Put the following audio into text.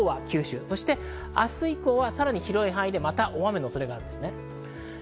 明日以降はさらに広い範囲で大雨の恐れがあります。